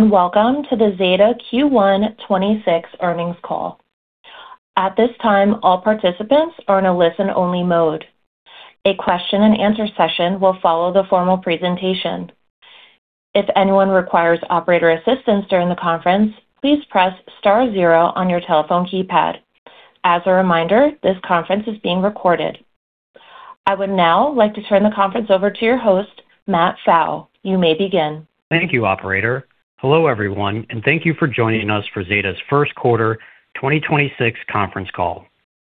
Welcome to the Zeta Q1 2026 earnings call. At this time, all participants are in a listen-only mode. A question and answer session will follow the formal presentation. If anyone requires operator assistance during the conference, please press star zero on your telephone keypad. As a reminder, this conference is being recorded. I would now like to turn the conference over to your host, Matt Shunnarah. You may begin. Thank you, operator. Hello, everyone, and thank you for joining us for Zeta's first quarter 2026 conference call.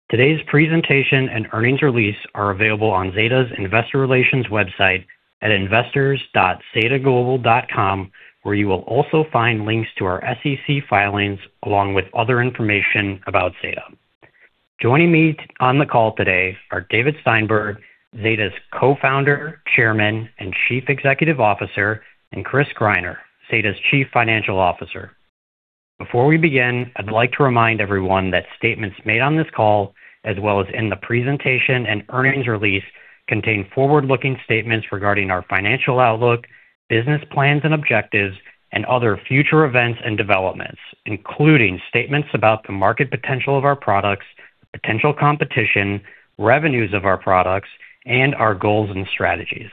Today's presentation and earnings release are available on Zeta's investor relations website at investors.zetaglobal.com, where you will also find links to our SEC filings, along with other information about Zeta. Joining me on the call today are David Steinberg, Zeta's Co-founder, Chairman, and Chief Executive Officer, and Chris Greiner, Zeta's Chief Financial Officer. Before we begin, I'd like to remind everyone that statements made on this call, as well as in the presentation and earnings release, contain forward-looking statements regarding our financial outlook, business plans and objectives, and other future events and developments, including statements about the market potential of our products, potential competition, revenues of our products, and our goals and strategies.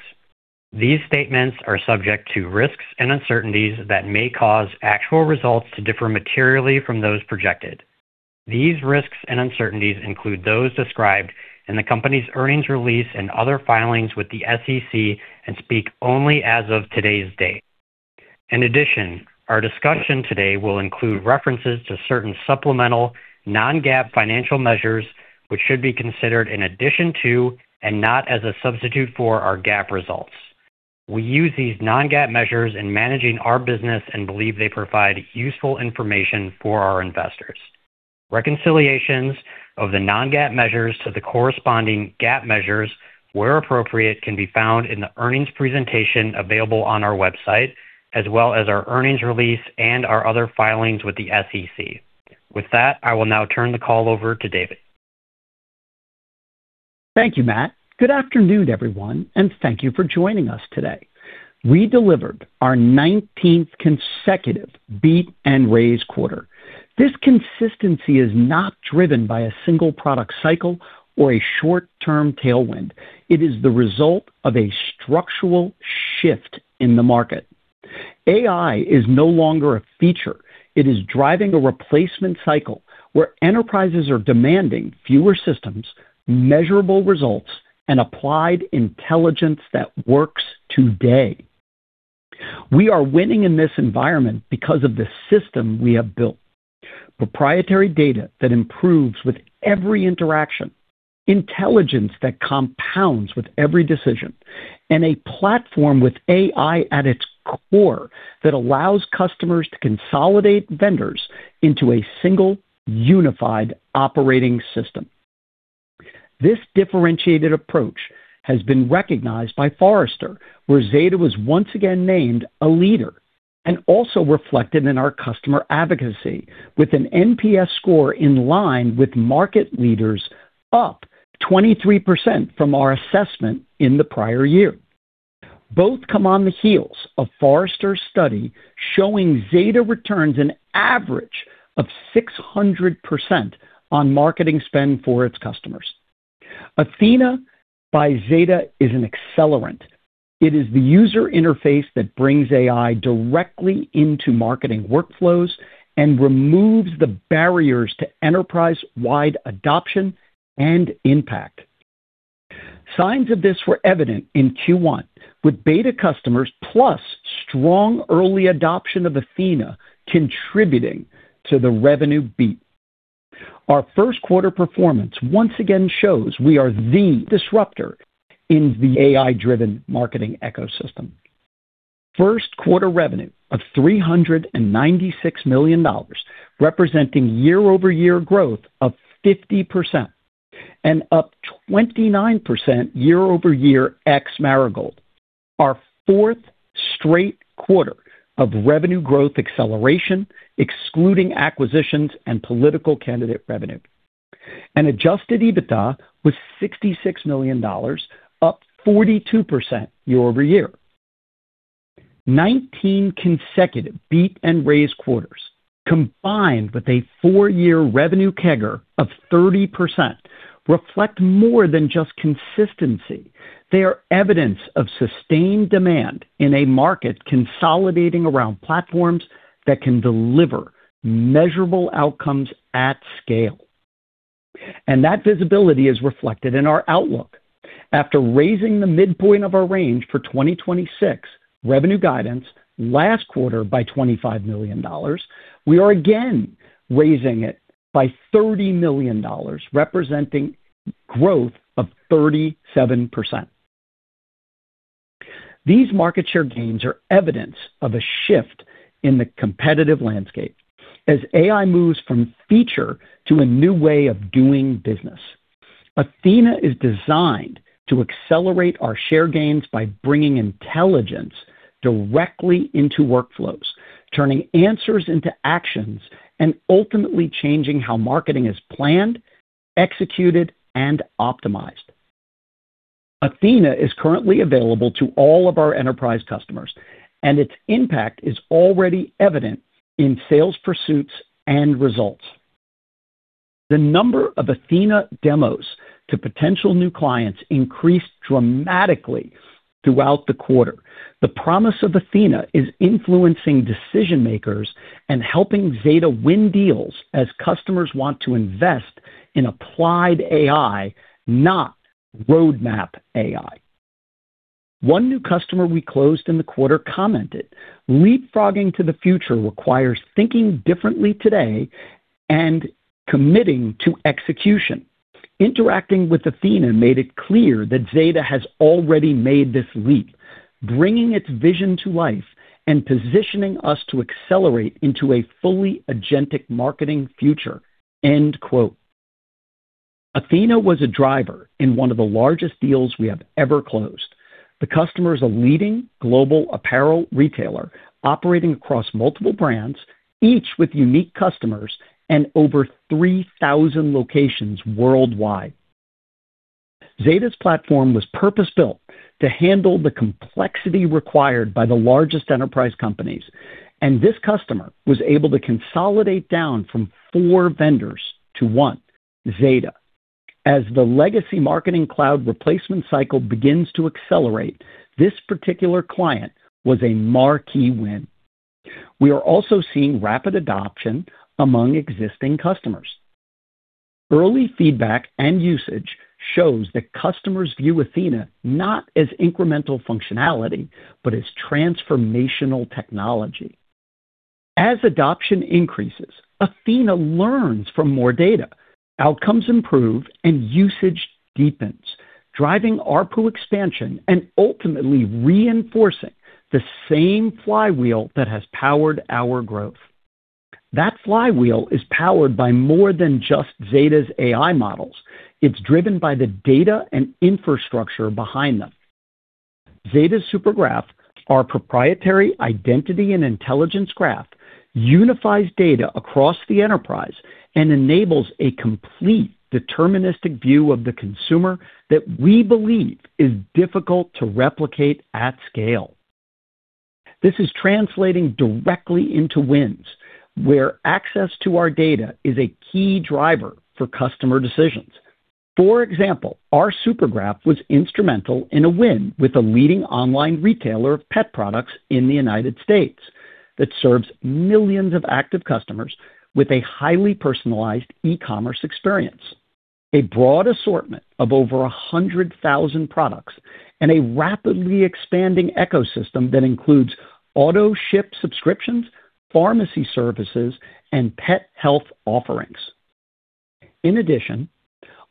These statements are subject to risks and uncertainties that may cause actual results to differ materially from those projected. These risks and uncertainties include those described in the company's earnings release and other filings with the SEC, and speak only as of today's date. In addition, our discussion today will include references to certain supplemental non-GAAP financial measures, which should be considered in addition to and not as a substitute for, our GAAP results. We use these non-GAAP measures in managing our business and believe they provide useful information for our investors. Reconciliations of the non-GAAP measures to the corresponding GAAP measures, where appropriate, can be found in the earnings presentation available on our website, as well as our earnings release and our other filings with the SEC. With that, I will now turn the call over to David. Thank you, Matt. Good afternoon, everyone, and thank you for joining us today. We delivered our 19th consecutive beat and raise quarter. This consistency is not driven by a single product cycle or a short-term tailwind. It is the result of a structural shift in the market. AI is no longer a feature. It is driving a replacement cycle where enterprises are demanding fewer systems, measurable results, and applied intelligence that works today. We are winning in this environment because of the system we have built. Proprietary data that improves with every interaction, intelligence that compounds with every decision, and a platform with AI at its core that allows customers to consolidate vendors into a single unified operating system. This differentiated approach has been recognized by Forrester, where Zeta was once again named a leader, also reflected in our customer advocacy with an NPS score in line with market leaders, up 23% from our assessment in the prior year. Both come on the heels of Forrester's study showing Zeta returns an average of 600% on marketing spend for its customers. Athena by Zeta is an accelerant. It is the user interface that brings AI directly into marketing workflows and removes the barriers to enterprise-wide adoption and impact. Signs of this were evident in Q1, with beta customers plus strong early adoption of Athena contributing to the revenue beat. Our first quarter performance once again shows we are the disruptor in the AI-driven marketing ecosystem. First quarter revenue of $396 million, representing year-over-year growth of 50% and up 29% year-over-year ex Marigold. Our fourth straight quarter of revenue growth acceleration, excluding acquisitions and political candidate revenue. Adjusted EBITDA was $66 million, up 42% year-over-year. 19 consecutive beat and raise quarters, combined with a four-year revenue CAGR of 30% reflect more than just consistency. They are evidence of sustained demand in a market consolidating around platforms that can deliver measurable outcomes at scale, and that visibility is reflected in our outlook. After raising the midpoint of our range for 2026 revenue guidance last quarter by $25 million, we are again raising it by $30 million, representing growth of 37%. These market share gains are evidence of a shift in the competitive landscape, as AI moves from feature to a new way of doing business. Athena is designed to accelerate our share gains by bringing intelligence directly into workflows, turning answers into actions, and ultimately changing how marketing is planned, executed, and optimized. Athena is currently available to all of our enterprise customers, and its impact is already evident in sales pursuits and results. The number of Athena demos to potential new clients increased dramatically throughout the quarter. The promise of Athena is influencing decision-makers and helping Zeta win deals as customers want to invest in applied AI, not roadmap AI. One new customer we closed in the quarter commented, "Leapfrogging to the future requires thinking differently today and committing to execution. Interacting with Athena made it clear that Zeta has already made this leap, bringing its vision to life and positioning us to accelerate into a fully agentic marketing future." End quote. Athena was a driver in one of the largest deals we have ever closed. The customer is a leading global apparel retailer operating across multiple brands, each with unique customers and over 3,000 locations worldwide. Zeta's platform was purpose-built to handle the complexity required by the largest enterprise companies, and this customer was able to consolidate down from four vendors to one, Zeta. As the legacy marketing cloud replacement cycle begins to accelerate, this particular client was a marquee win. We are also seeing rapid adoption among existing customers. Early feedback and usage shows that customers view Athena not as incremental functionality, but as transformational technology. As adoption increases, Athena learns from more data, outcomes improve, and usage deepens, driving ARPU expansion and ultimately reinforcing the same flywheel that has powered our growth. That flywheel is powered by more than just Zeta's AI models. It's driven by the data and infrastructure behind them. Zeta SuperGraph, our proprietary identity and intelligence graph, unifies data across the enterprise and enables a complete deterministic view of the consumer that we believe is difficult to replicate at scale. This is translating directly into wins where access to our data is a key driver for customer decisions. For example, our SuperGraph was instrumental in a win with a leading online retailer of pet products in the U.S. that serves millions of active customers with a highly personalized e-commerce experience, a broad assortment of over 100,000 products, and a rapidly expanding ecosystem that includes auto-ship subscriptions, pharmacy services, and pet health offerings. In addition,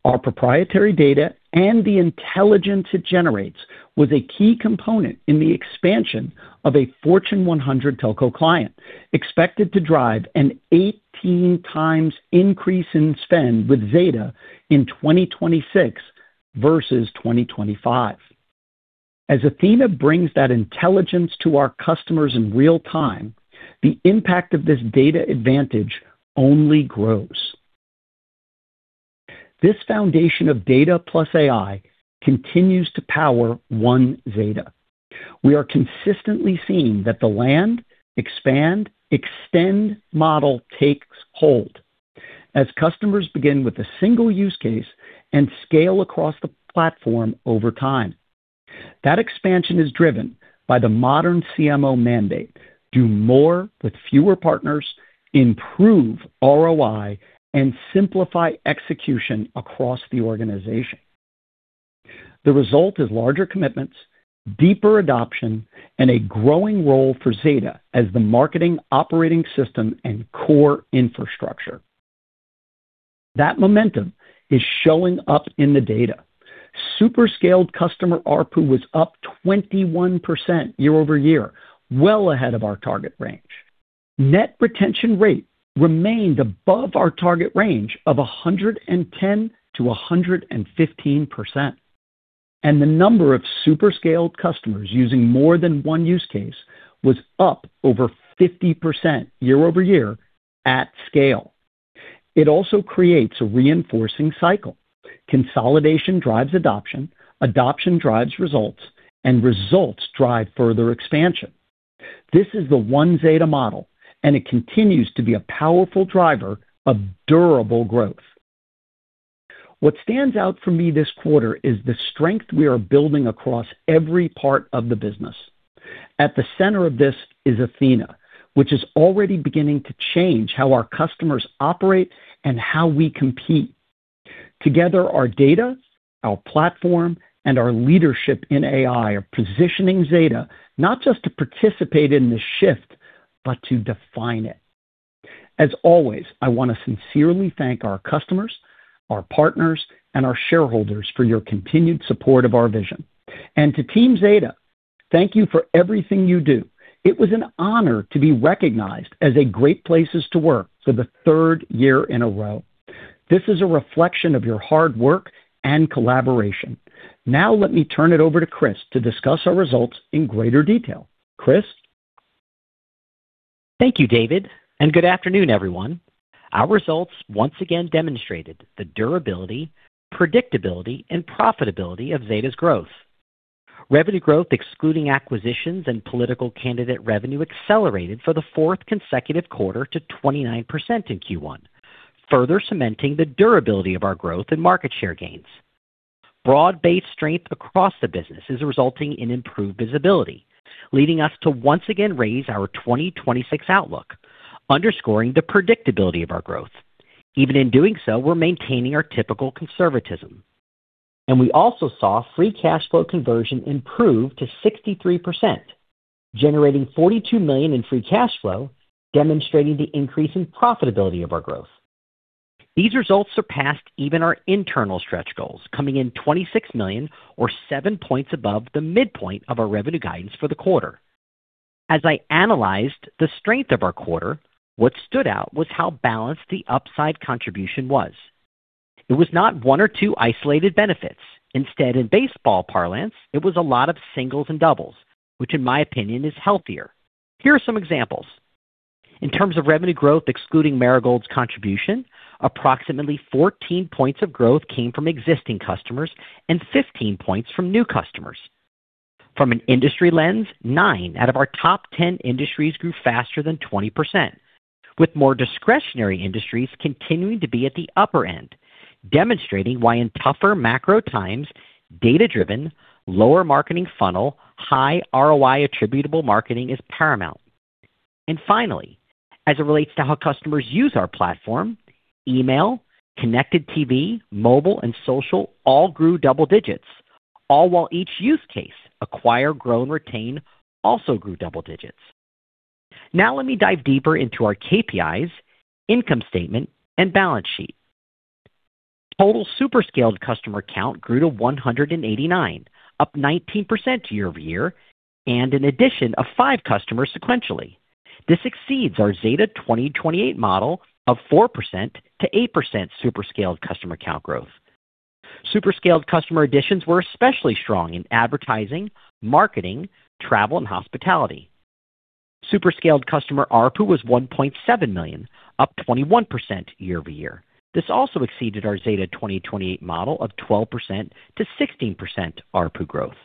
our proprietary data and the intelligence it generates was a key component in the expansion of a Fortune 100 telco client, expected to drive an 18 times increase in spend with Zeta in 2026 versus 2025. As Athena brings that intelligence to our customers in real time, the impact of this data advantage only grows. This foundation of data plus AI continues to power One Zeta. We are consistently seeing that the land, expand, extend model takes hold as customers begin with a single use case and scale across the platform over time. That expansion is driven by the modern CMO mandate, do more with fewer partners, improve ROI, and simplify execution across the organization. The result is larger commitments, deeper adoption, and a growing role for Zeta as the marketing operating system and core infrastructure. That momentum is showing up in the data. Super-scaled customer ARPU was up 21% year-over-year, well ahead of our target range. Net retention rate remained above our target range of 110%-115%. The number of super-scaled customers using more than one use case was up over 50% year-over-year at scale. It also creates a reinforcing cycle. Consolidation drives adoption drives results, and results drive further expansion. This is the One Zeta model, and it continues to be a powerful driver of durable growth. What stands out for me this quarter is the strength we are building across every part of the business. At the center of this is Athena, which is already beginning to change how our customers operate and how we compete. Together, our data, our platform, and our leadership in AI are positioning Zeta not just to participate in this shift, but to define it. As always, I want to sincerely thank our customers, our partners, and our shareholders for your continued support of our vision. To Team Zeta, thank you for everything you do. It was an honor to be recognized as a Great Place to Work for the third year in a row. This is a reflection of your hard work and collaboration. Now let me turn it over to Chris to discuss our results in greater detail. Chris? Thank you, David. Good afternoon, everyone. Our results once again demonstrated the durability, predictability, and profitability of Zeta's growth. Revenue growth, excluding acquisitions and political candidate revenue, accelerated for the fourth consecutive quarter to 29% in Q1, further cementing the durability of our growth and market share gains. Broad-based strength across the business is resulting in improved visibility, leading us to once again raise our 2026 outlook, underscoring the predictability of our growth. Even in doing so, we're maintaining our typical conservatism. We also saw free cash flow conversion improve to 63%, generating $42 million in free cash flow, demonstrating the increase in profitability of our growth. These results surpassed even our internal stretch goals, coming in $26 million or seven points above the midpoint of our revenue guidance for the quarter. As I analyzed the strength of our quarter, what stood out was how balanced the upside contribution was. It was not one or two isolated benefits. Instead, in baseball parlance, it was a lot of singles and doubles, which in my opinion, is healthier. Here are some examples. In terms of revenue growth, excluding Marigold's contribution, approximately 14 points of growth came from existing customers and 15 points from new customers. From an industry lens, nine out of our top 10 industries grew faster than 20%, with more discretionary industries continuing to be at the upper end, demonstrating why in tougher macro times, data-driven, lower marketing funnel, high ROI attributable marketing is paramount. Finally, as it relates to how customers use our platform, email, connected TV, mobile, and social all grew double digits, all while each use case acquire, grow, and retain also grew double digits. Now let me dive deeper into our KPIs, income statement, and balance sheet. Total super-scaled customer count grew to 189, up 19% year-over-year and an addition of five customers sequentially. This exceeds our Zeta 2028 model of 4%-8% super-scaled customer count growth. Super-scaled customer additions were especially strong in advertising, marketing, travel, and hospitality. Super-scaled customer ARPU was $1.7 million, up 21% year-over-year. This also exceeded our Zeta 2028 model of 12%-16% ARPU growth.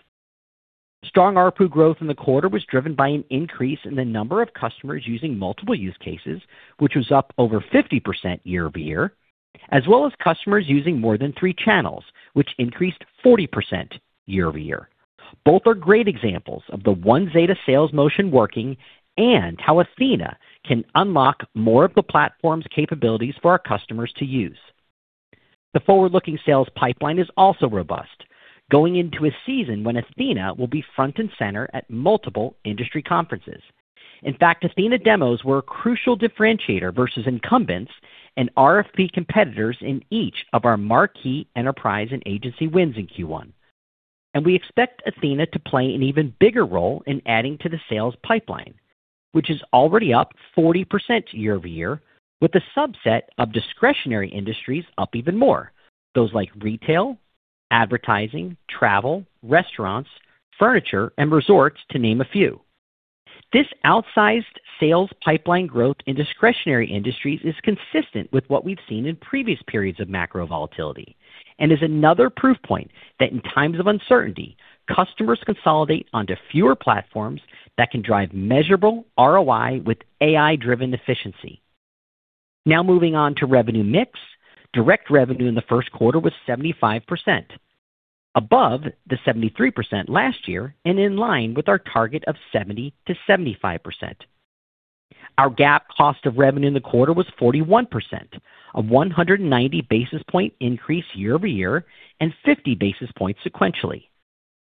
Strong ARPU growth in the quarter was driven by an increase in the number of customers using multiple use cases, which was up over 50% year-over-year, as well as customers using more than three channels, which increased 40% year-over-year. Both are great examples of the One Zeta sales motion working and how Athena can unlock more of the platform's capabilities for our customers to use. The forward-looking sales pipeline is also robust, going into a season when Athena will be front and center at multiple industry conferences. In fact, Athena demos were a crucial differentiator versus incumbents and RFP competitors in each of our marquee enterprise and agency wins in Q1. We expect Athena to play an even bigger role in adding to the sales pipeline, which is already up 40% year-over-year, with a subset of discretionary industries up even more. Those like retail, advertising, travel, restaurants, furniture, and resorts, to name a few. This outsized sales pipeline growth in discretionary industries is consistent with what we've seen in previous periods of macro volatility and is another proof point that in times of uncertainty, customers consolidate onto fewer platforms that can drive measurable ROI with AI-driven efficiency. Now moving on to revenue mix. Direct revenue in the first quarter was 75%, above the 73% last year and in line with our target of 70%-75%. Our GAAP cost of revenue in the quarter was 41%, a 190 basis point increase year-over-year and 50 basis points sequentially.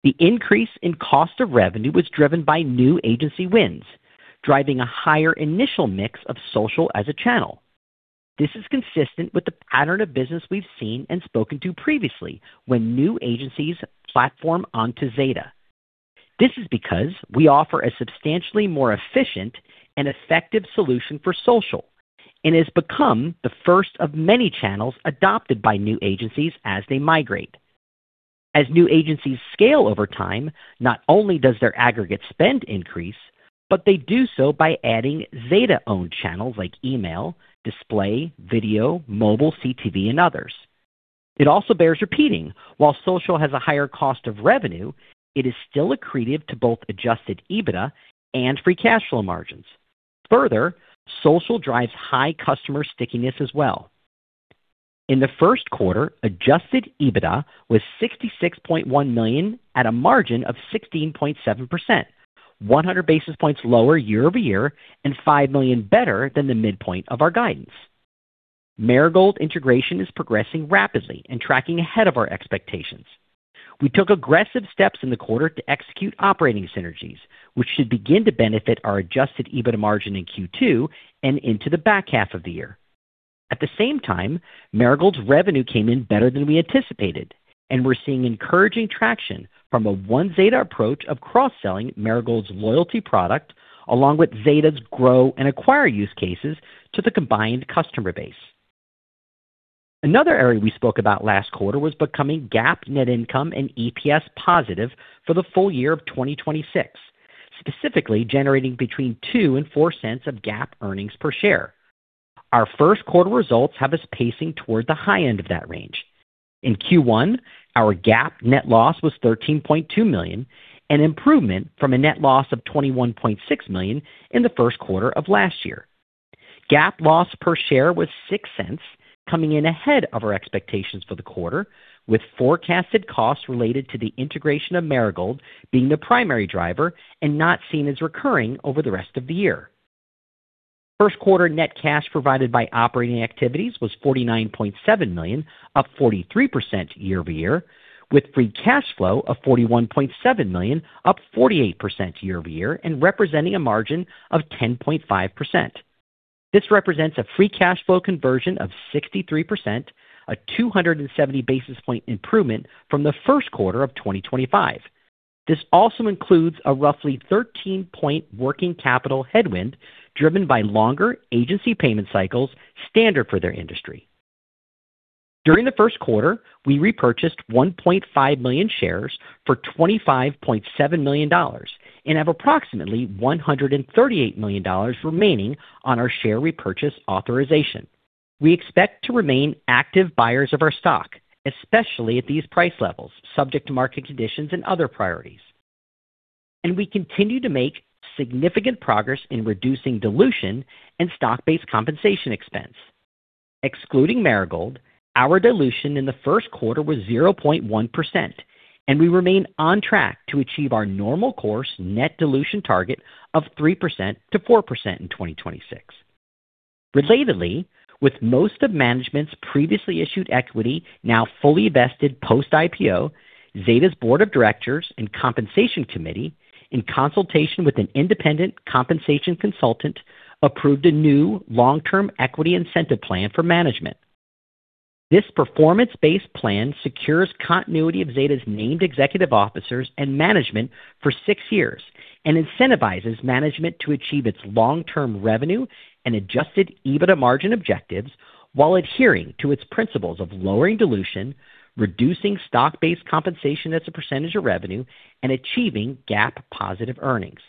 The increase in cost of revenue was driven by new agency wins, driving a higher initial mix of social as a channel. This is consistent with the pattern of business we've seen and spoken to previously when new agencies platform onto Zeta. This is because we offer a substantially more efficient and effective solution for social and has become the first of many channels adopted by new agencies as they migrate. As new agencies scale over time, not only does their aggregate spend increase, but they do so by adding Zeta-owned channels like email, display, video, mobile, CTV, and others. It also bears repeating, while social has a higher cost of revenue, it is still accretive to both adjusted EBITDA and free cash flow margins. Social drives high customer stickiness as well. In the first quarter, adjusted EBITDA was $66.1 million at a margin of 16.7%, 100 basis points lower year-over-year and $5 million better than the midpoint of our guidance. Marigold integration is progressing rapidly and tracking ahead of our expectations. We took aggressive steps in the quarter to execute operating synergies, which should begin to benefit our adjusted EBITDA margin in Q2 and into the back half of the year. At the same time, Marigold's revenue came in better than we anticipated, and we're seeing encouraging traction from a One Zeta approach of cross-selling Marigold's loyalty product along with Zeta's grow and acquire use cases to the combined customer base. Another area we spoke about last quarter was becoming GAAP net income and EPS positive for the full year of 2026, specifically generating between $0.02 and $0.04 of GAAP earnings per share. Our first quarter results have us pacing toward the high end of that range. In Q1, our GAAP net loss was $13.2 million, an improvement from a net loss of $21.6 million in the first quarter of last year. GAAP loss per share was $0.06, coming in ahead of our expectations for the quarter, with forecasted costs related to the integration of Marigold being the primary driver and not seen as recurring over the rest of the year. First quarter net cash provided by operating activities was $49.7 million, up 43% year-over-year, with free cash flow of $41.7 million, up 48% year-over-year and representing a margin of 10.5%. This represents a free cash flow conversion of 63%, a 270 basis point improvement from the first quarter of 2025. This also includes a roughly 13 point working capital headwind driven by longer agency payment cycles standard for their industry. During the first quarter, we repurchased 1.5 million shares for $25.7 million and have approximately $138 million remaining on our share repurchase authorization. We expect to remain active buyers of our stock, especially at these price levels, subject to market conditions and other priorities. We continue to make significant progress in reducing dilution and stock-based compensation expense. Excluding Marigold, our dilution in the first quarter was 0.1%, and we remain on track to achieve our normal course net dilution target of 3%-4% in 2026. Relatedly, with most of management's previously issued equity now fully vested post-IPO, Zeta's Board of Directors and Compensation Committee, in consultation with an independent compensation consultant, approved a new long-term equity incentive plan for management. This performance-based plan secures continuity of Zeta's named executive officers and management for six years and incentivizes management to achieve its long-term revenue and adjusted EBITDA margin objectives while adhering to its principles of lowering dilution, reducing stock-based compensation as a percentage of revenue, and achieving GAAP positive earnings.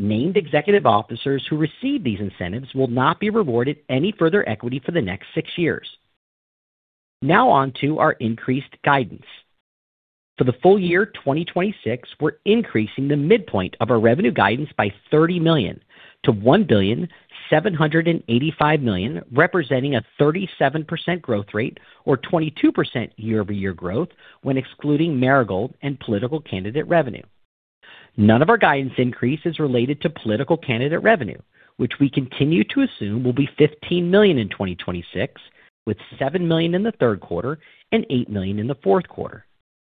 Named executive officers who receive these incentives will not be rewarded any further equity for the next six years. On to our increased guidance. For the full year 2026, we're increasing the midpoint of our revenue guidance by $30 million to $1,785 million, representing a 37% growth rate or 22% year-over-year growth when excluding Marigold and political candidate revenue. None of our guidance increase is related to political candidate revenue, which we continue to assume will be $15 million in 2026, with $7 million in the third quarter and $8 million in the fourth quarter.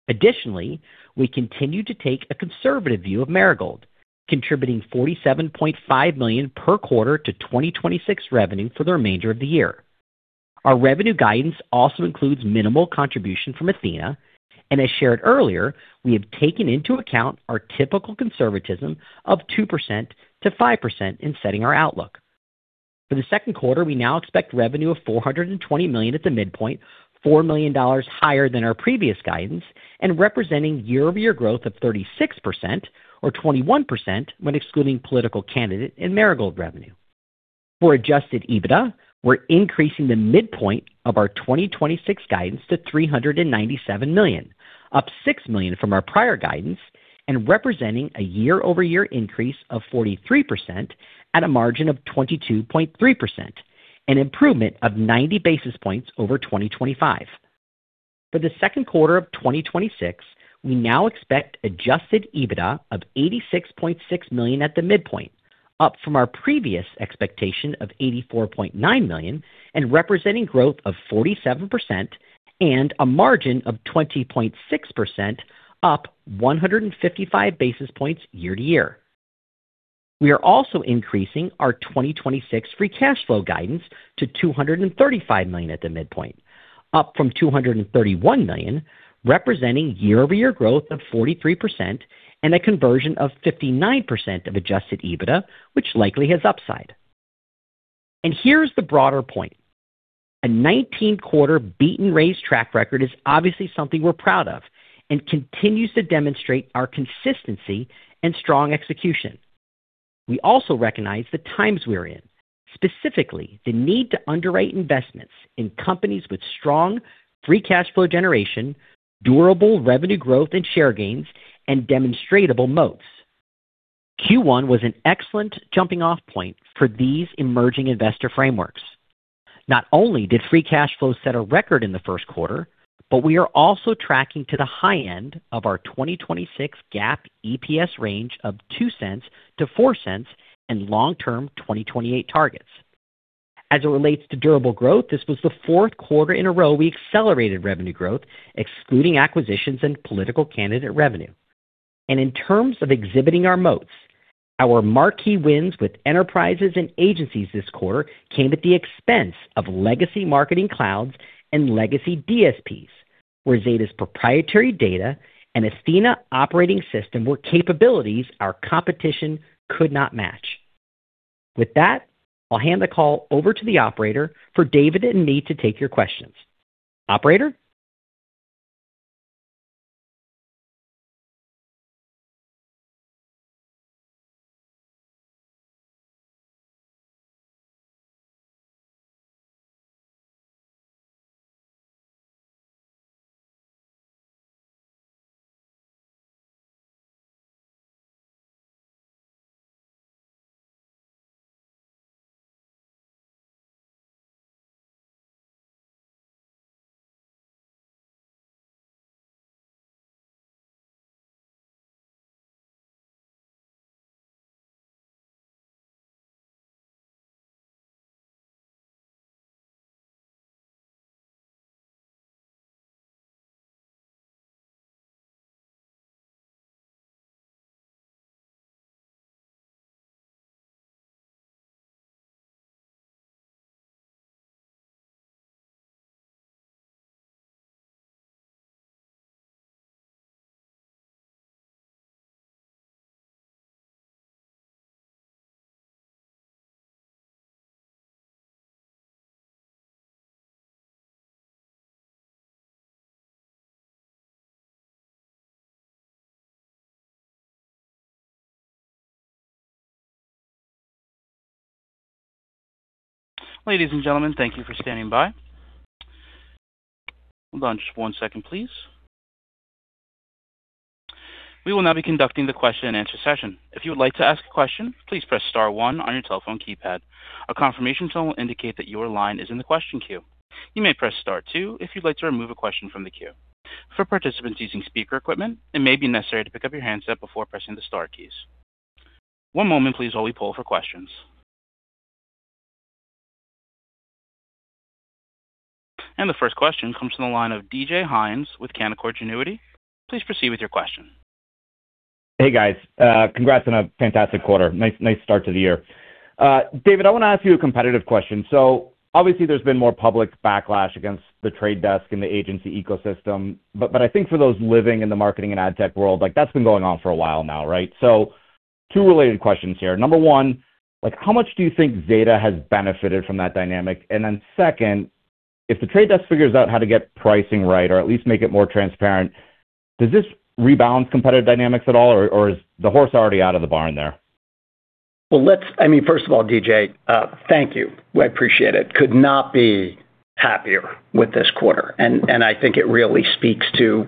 We continue to take a conservative view of Marigold, contributing $47.5 million per quarter to 2026 revenue for the remainder of the year. Our revenue guidance also includes minimal contribution from Athena, as shared earlier, we have taken into account our typical conservatism of 2%-5% in setting our outlook. For the second quarter, we now expect revenue of $420 million at the midpoint, $4 million higher than our previous guidance and representing year-over-year growth of 36% or 21% when excluding political candidate and Marigold revenue. For adjusted EBITDA, we're increasing the midpoint of our 2026 guidance to $397 million, up $6 million from our prior guidance and representing a year-over-year increase of 43% at a margin of 22.3%, an improvement of 90 basis points over 2025. For the second quarter of 2026, we now expect adjusted EBITDA of $86.6 million at the midpoint, up from our previous expectation of $84.9 million and representing growth of 47% and a margin of 20.6%, up 155 basis points year-to-year. We are also increasing our 2026 free cash flow guidance to $235 million at the midpoint, up from $231 million, representing year-over-year growth of 43% and a conversion of 59% of adjusted EBITDA, which likely has upside. Here's the broader point. A 19-quarter beat and raise track record is obviously something we're proud of and continues to demonstrate our consistency and strong execution. We also recognize the times we're in, specifically the need to underwrite investments in companies with strong free cash flow generation, durable revenue growth and share gains, and demonstrable moats. Q1 was an excellent jumping-off point for these emerging investor frameworks. Not only did free cash flow set a record in the first quarter, but we are also tracking to the high end of our 2026 GAAP EPS range of $0.02-$0.04 and long-term 2028 targets. As it relates to durable growth, this was the fourth quarter in a row we accelerated revenue growth, excluding acquisitions and political candidate revenue. In terms of exhibiting our moats, our marquee wins with enterprises and agencies this quarter came at the expense of legacy marketing clouds and legacy DSPs. Where Zeta's proprietary data and Athena operating system were capabilities our competition could not match. With that, I'll hand the call over to the operator for David and me to take your questions. Operator? Ladies and gentlemen, thank you for standing by. Hold on just one second, please. We will now be conducting the question-and-answer session. If you would like to ask a question, please press star one on your telephone keypad. A confirmation tone will indicate that your line is in the question queue. You may press star two if you'd like to remove a question from the queue. For participants using speaker equipment, it may be necessary to pick up your handset before pressing the star keys. One moment please while we poll for questions. The first question comes from the line of DJ Hynes with Canaccord Genuity. Please proceed with your question. Hey, guys. Congrats on a fantastic quarter. Nice start to the year. David, I wanna ask you a competitive question. Obviously there's been more public backlash against The Trade Desk and the agency ecosystem, I think for those living in the marketing and ad tech world, like that's been going on for a while now, right? Two related questions here. Number one, like how much do you think Zeta has benefited from that dynamic? Second, if The Trade Desk figures out how to get pricing right or at least make it more transparent, does this rebalance competitive dynamics at all or is the horse already out of the barn there? I mean, first of all, DJ, thank you. We appreciate it. Could not be happier with this quarter, and I think it really speaks to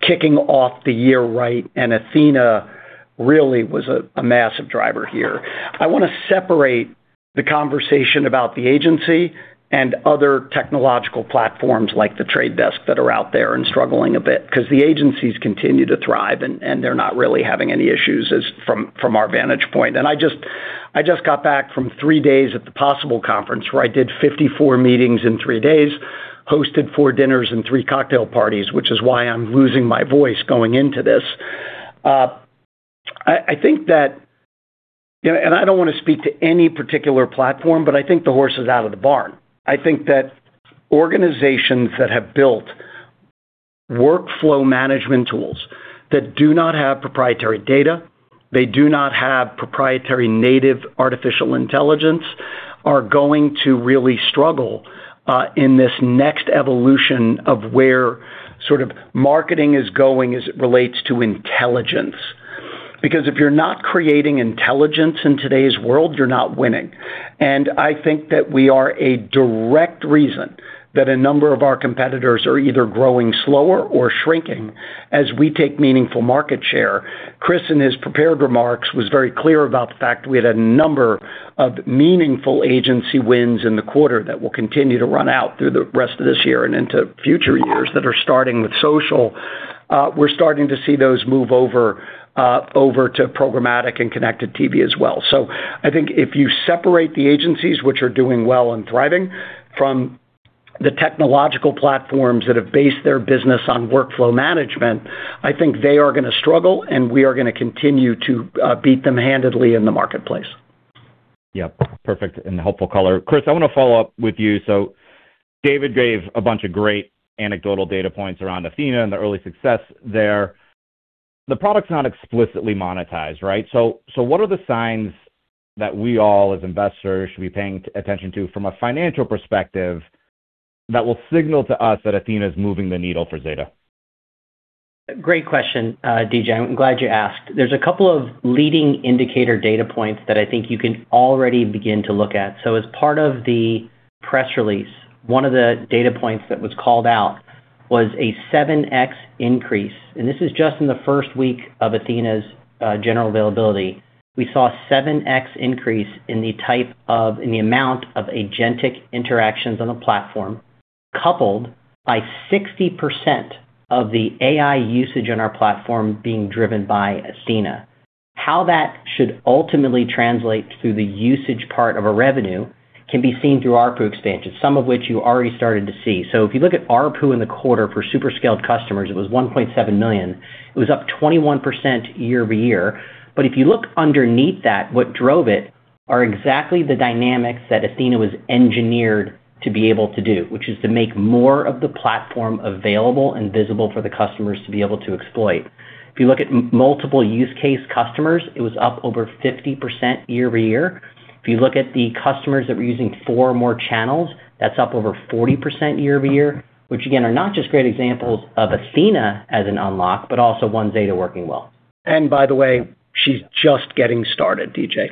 kicking off the year right, and Athena really was a massive driver here. I want to separate the conversation about the agency and other technological platforms like The Trade Desk that are out there and struggling a bit because the agencies continue to thrive and they're not really having any issues as from our vantage point. I just got back from three days at the Possible conference, where I did 54 meetings in three days, hosted four dinners and three cocktail parties, which is why I'm losing my voice going into this. I think that. You know, I don't wanna speak to any particular platform, but I think the horse is out of the barn. I think that organizations that have built workflow management tools that do not have proprietary data, they do not have proprietary native artificial intelligence, are going to really struggle in this next evolution of where sort of marketing is going as it relates to intelligence. Because if you're not creating intelligence in today's world, you're not winning. I think that we are a direct reason that a number of our competitors are either growing slower or shrinking as we take meaningful market share. Chris, in his prepared remarks, was very clear about the fact we had a number of meaningful agency wins in the quarter that will continue to run out through the rest of this year and into future years that are starting with social. We're starting to see those move over to programmatic and connected TV as well. I think if you separate the agencies which are doing well and thriving from the technological platforms that have based their business on workflow management, I think they are gonna struggle, and we are gonna continue to beat them handedly in the marketplace. Yeah. Perfect and helpful color. Chris, I wanna follow up with you. David gave a bunch of great anecdotal data points around Athena and the early success there. The product's not explicitly monetized, right? So what are the signs that we all as investors should be paying attention to from a financial perspective that will signal to us that Athena is moving the needle for Zeta? Great question, DJ. I'm glad you asked. There's a couple of leading indicator data points that I think you can already begin to look at. As part of the press release, one of the data points that was called out was a 7x increase, and this is just in the first week of Athena's general availability. We saw 7x increase in the amount of agentic interactions on the platform, coupled by 60% of the AI usage on our platform being driven by Athena. How that should ultimately translate through the usage part of a revenue can be seen through ARPU expansion, some of which you already started to see. If you look at ARPU in the quarter for super-scaled customers, it was $1.7 million. It was up 21% year-over-year. If you look underneath that, what drove it are exactly the dynamics that Athena was engineered to be able to do, which is to make more of the platform available and visible for the customers to be able to exploit. If you look at multiple use case customers, it was up over 50% year-over-year. If you look at the customers that were using four or more channels, that's up over 40% year-over-year, which again, are not just great examples of Athena as an unlock, but also One Zeta working well. By the way, she's just getting started, DJ.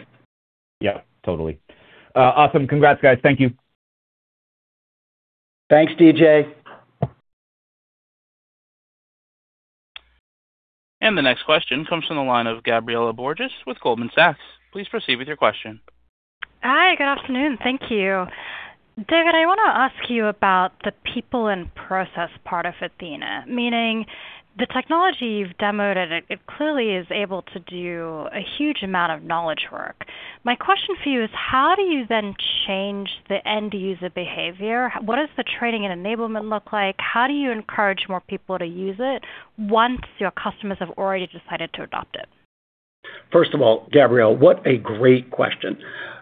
Yeah, totally. Awesome. Congrats, guys. Thank you. Thanks, DJ. The next question comes from the line of Gabriela Borges with Goldman Sachs. Please proceed with your question. Hi, good afternoon. Thank you. David, I wanna ask you about the people and process part of Athena, meaning the technology you've demoed, and it clearly is able to do a huge amount of knowledge work. My question for you is, how do you then change the end user behavior? What does the training and enablement look like? How do you encourage more people to use it once your customers have already decided to adopt it? First of all, Gabriela, what a great question.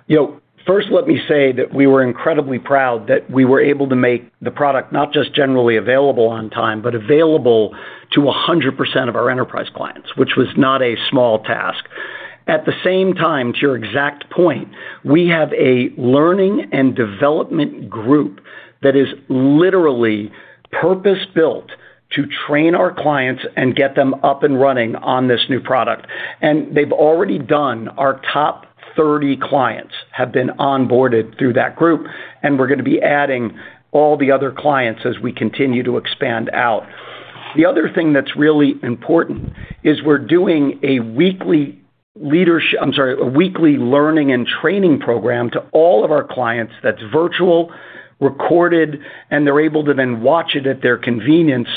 You know, first, let me say that we were incredibly proud that we were able to make the product not just generally available on time, but available to 100% of our enterprise clients, which was not a small task. At the same time, to your exact point, we have a learning and development group that is literally purpose-built to train our clients and get them up and running on this new product. They've already done. Our top 30 clients have been onboarded through that group, and we're gonna be adding all the other clients as we continue to expand out. The other thing that's really important is we're doing a weekly leadership. I'm sorry, a weekly learning and training program to all of our clients that's virtual, recorded, and they're able to then watch it at their convenience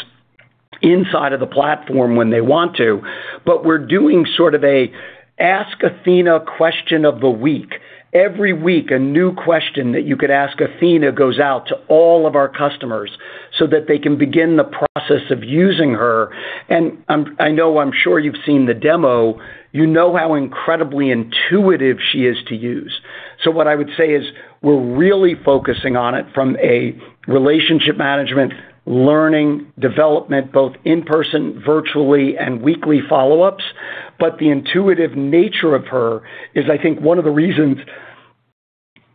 inside of the platform when they want to. We're doing sort of a ask Athena question of the week. Every week, a new question that you could ask Athena goes out to all of our customers so that they can begin the process of using her. I know, I'm sure you've seen the demo, you know how incredibly intuitive she is to use. What I would say is we're really focusing on it from a relationship management, learning, development, both in-person, virtually, and weekly follow-ups. The intuitive nature of her is, I think, one of the reasons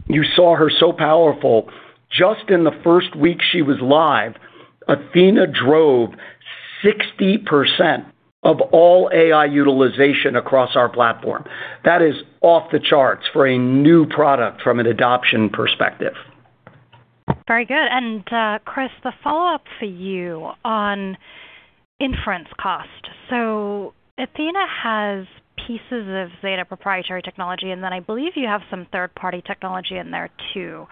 you saw her so powerful. Just in the first week she was live, Athena drove 60% of all AI utilization across our platform. That is off the charts for a new product from an adoption perspective. Very good. Chris, the follow-up for you on inference cost. Athena has pieces of Zeta proprietary technology, I believe you have some third-party technology in there too.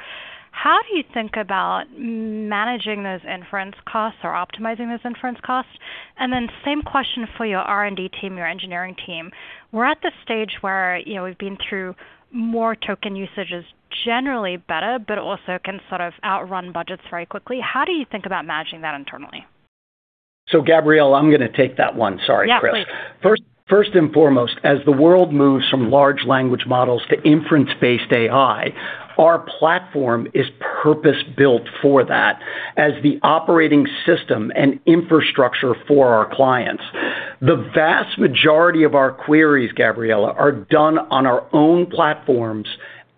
How do you think about managing those inference costs or optimizing those inference costs? Same question for your R&D team, your engineering team. We're at the stage where, you know, we've been through more token usage is generally better, but also can sort of outrun budgets very quickly. How do you think about managing that internally? Gabriela, I'm gonna take that one. Sorry, Chris. Yeah, please. First and foremost, as the world moves from large language models to inference-based AI, our platform is purpose-built for that as the operating system and infrastructure for our clients. The vast majority of our queries, Gabriela, are done on our own platforms,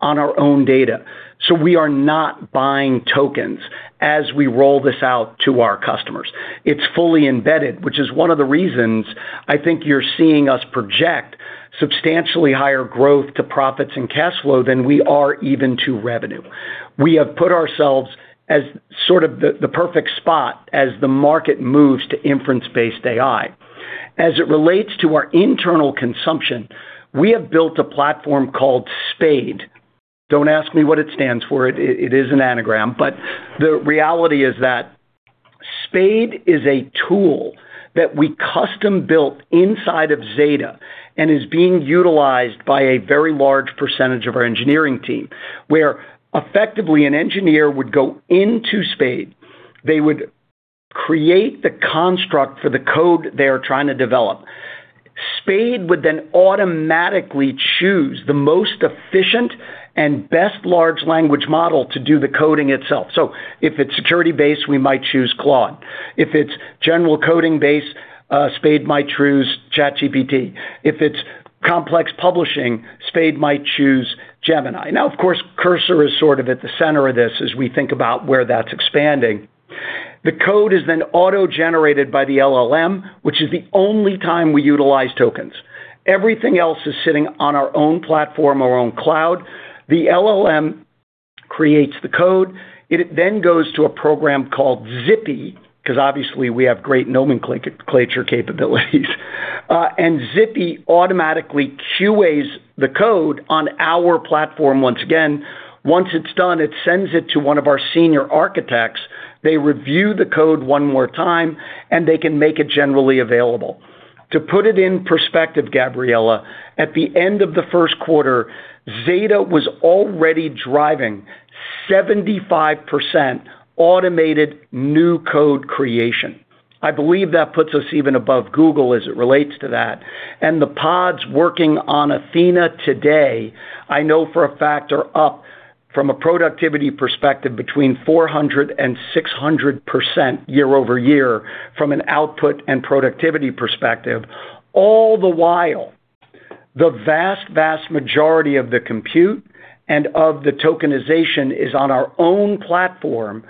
on our own data. We are not buying tokens as we roll this out to our customers. It's fully embedded, which is one of the reasons I think you're seeing us project substantially higher growth to profits and cash flow than we are even to revenue. We have put ourselves as sort of the perfect spot as the market moves to inference-based AI. As it relates to our internal consumption, we have built a platform called Spade. Don't ask me what it stands for. It is an anagram. The reality is that Spade is a tool that we custom-built inside of Zeta and is being utilized by a very large percentage of our engineering team, where effectively an engineer would go into Spade, they would create the construct for the code they are trying to develop. Spade would automatically choose the most efficient and best large language model to do the coding itself. If it's security-based, we might choose Claude. If it's general coding-based, Spade might choose ChatGPT. If it's complex publishing, Spade might choose Gemini. Of course, Cursor is sort of at the center of this as we think about where that's expanding. The code is auto-generated by the LLM, which is the only time we utilize tokens. Everything else is sitting on our own platform, our own cloud. The LLM creates the code. It goes to a program called ZIP-E, because obviously we have great nomenclature capabilities. ZIP-E automatically QAs the code on our platform once again. Once it's done, it sends it to one of our senior architects. They review the code one more time, they can make it generally available. To put it in perspective, Gabriela, at the end of the first quarter, Zeta was already driving 75% automated new code creation. I believe that puts us even above Google as it relates to that. The pods working on Athena today, I know for a fact are up from a productivity perspective between 400%-600% year-over-year from an output and productivity perspective. All the while, the vast majority of the compute and of the tokenization is on our own platform.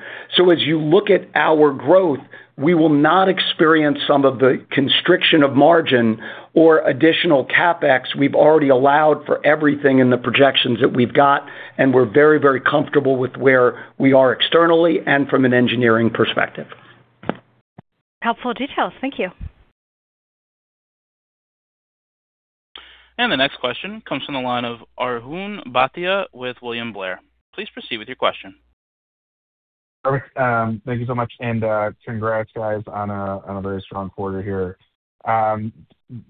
As you look at our growth, we will not experience some of the constriction of margin or additional CapEx. We've already allowed for everything in the projections that we've got, and we're very, very comfortable with where we are externally and from an engineering perspective. Helpful details. Thank you. The next question comes from the line of Arjun Bhatia with William Blair. Please proceed with your question. Perfect. Thank you so much, congrats guys on a very strong quarter here.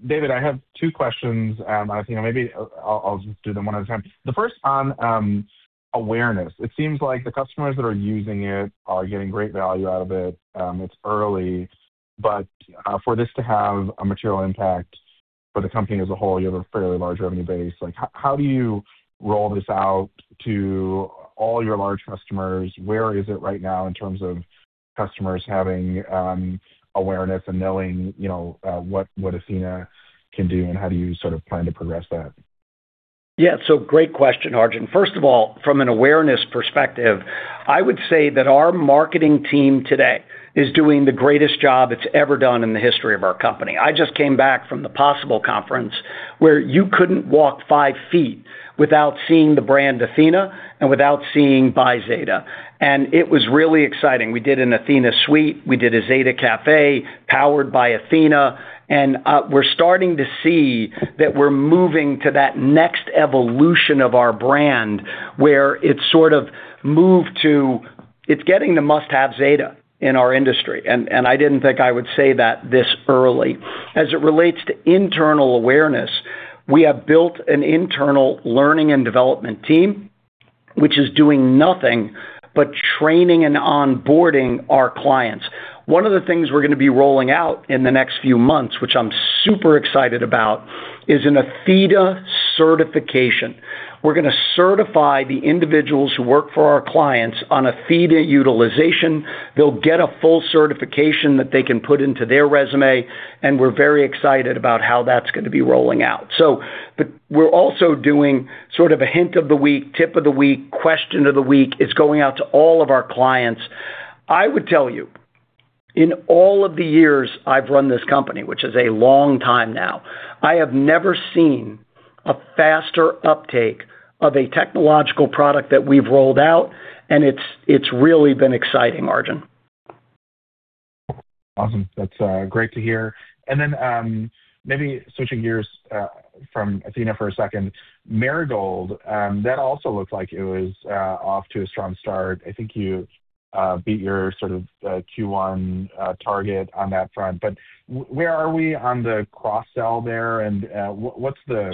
David, I have two questions, I think maybe I'll just do them one at a time. The first on awareness. It seems like the customers that are using it are getting great value out of it. It's early, but for this to have a material impact for the company as a whole, you have a fairly large revenue base. How do you roll this out to all your large customers? Where is it right now in terms of customers having awareness and knowing, you know, what Athena can do, and how do you sort of plan to progress that? Great question, Arjun. First of all, from an awareness perspective, I would say that our marketing team today is doing the greatest job it's ever done in the history of our company. I just came back from the Possible conference where you couldn't walk five feet without seeing the brand Athena and without seeing By Zeta. It was really exciting. We did an Athena Suite. We did a Zeta Cafe powered by Athena. We're starting to see that we're moving to that next evolution of our brand, where it's sort of moved to it's getting the must-have Zeta in our industry. I didn't think I would say that this early. As it relates to internal awareness, we have built an internal learning and development team which is doing nothing but training and onboarding our clients. One of the things we're gonna be rolling out in the next few months, which I'm super excited about, is an Athena certification. We're gonna certify the individuals who work for our clients on Athena utilization. They'll get a full certification that they can put into their resume. We're very excited about how that's gonna be rolling out. But we're also doing sort of a hint of the week, tip of the week, question of the week. It's going out to all of our clients. I would tell you, in all of the years I've run this company, which is a long time now, I have never seen a faster uptake of a technological product that we've rolled out. It's really been exciting, Arjun. Awesome. That's great to hear. Maybe switching gears from Athena for a second. Marigold, that also looked like it was off to a strong start. I think you beat your sort of Q1 target on that front. Where are we on the cross-sell there, and what's the